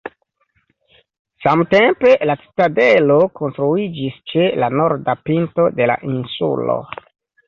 Samtempe la citadelo konstruiĝis ĉe la norda pinto de la insulo.